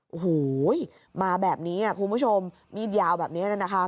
โอ้โหมาแบบนี้คุณผู้ชมมีดยาวแบบนี้นะคะ